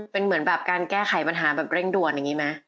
เป็นเหมือนแบบการแก้ไขปัญหาแบบเร่งด่วนอย่างนี้ไหม